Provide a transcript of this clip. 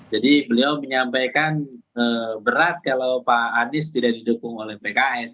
jadi beliau menyampaikan berat kalau pak anies tidak didukung oleh pks